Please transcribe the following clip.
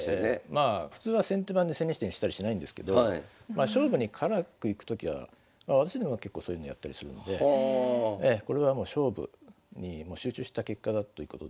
まあ普通は先手番で千日手にしたりしないんですけど勝負に辛くいくときは私でも結構そういうのやったりするのでこれはもう勝負にもう集中した結果だということで。